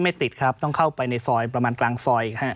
ติดครับต้องเข้าไปในซอยประมาณกลางซอย